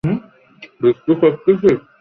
তাই এরা হাসছে।